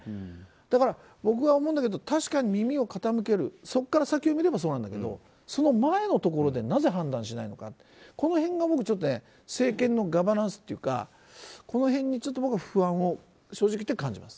だから、僕は思うんだけど確かに耳を傾けるそこから先を見ればそうなんだけどその前のところでなぜ判断しないのか、この辺が政権のガバナンスというかこの辺に僕は不安を正直言って感じます。